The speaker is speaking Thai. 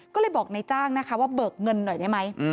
ก็เลยบอกในจ้างนะคะว่าเบิกเงินหน่อยได้ไหม